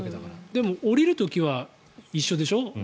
でも、降りる時は一緒でしょ。